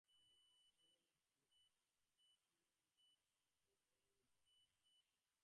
মধুসূদন টেলিগ্রামটা সামনে ধরে বললে, তোমার দাদার কাছ থেকে এসেছে।